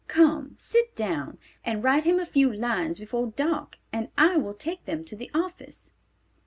Come, sit down, and write him a few lines before dark, and I will take them to the office."